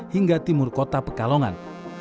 hingga timur kota pekalongan